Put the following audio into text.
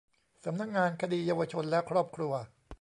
สำนักงานคดีเยาวชนและครอบครัว